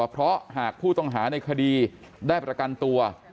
เพราะหากผู้ต้องหาในคดีได้ประกันตัว